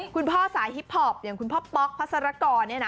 คุณพ่อสายฮิปพอปคุณพ่อป๊อกพัสสรกร